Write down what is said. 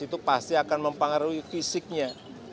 itu pasti akan mempengaruhi fisiknya